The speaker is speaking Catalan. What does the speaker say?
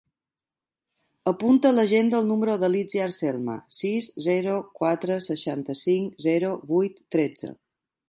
Apunta a l'agenda el número de l'Itziar Selma: sis, zero, quatre, seixanta-cinc, zero, vuit, tretze.